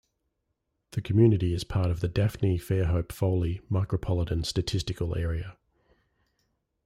The community is part of the Daphne-Fairhope-Foley Micropolitan Statistical Area.